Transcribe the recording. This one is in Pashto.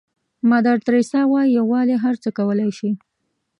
مادر تریسا وایي یووالی هر څه کولای شي.